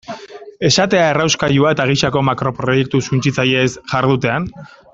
Esatea errauskailua eta gisako makroproiektu suntsitzaileez jardutean.